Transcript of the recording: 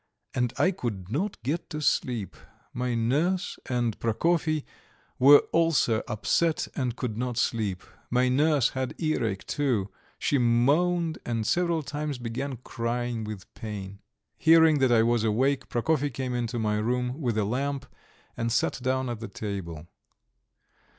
And I could not get to sleep. My nurse and Prokofy were also upset and could not sleep. My nurse had earache too; she moaned, and several times began crying with pain. Hearing that I was awake, Prokofy came into my room with a lamp and sat down at the table.